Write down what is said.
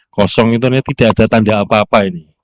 kosong itu tidak ada tanda apa apa ini